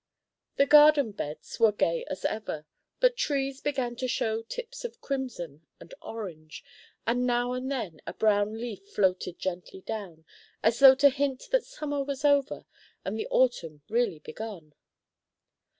The garden beds were gay as ever, but trees began to show tips of crimson and orange, and now and then a brown leaf floated gently down, as though to hint that summer was over and the autumn really begun.